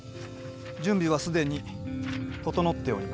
準備は既に整っております。